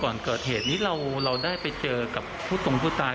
ก่อนเกิดเหตุนี้เราได้ไปเจอกับผู้ตรงผู้ตาย